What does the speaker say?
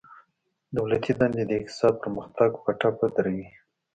دولتي دندي د اقتصاد پرمختګ په ټپه دروي